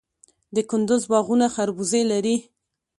د کندز باغونه خربوزې لري.